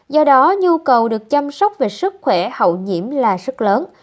do đó nhu cầu được chăm sóc về sức khỏe hậu nhiễm là rất lớn